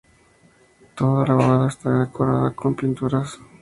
Toda la bóveda está decorada con pinturas.